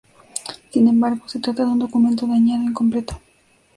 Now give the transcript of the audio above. Sin embargo, se trata de un documento dañado e incompleto.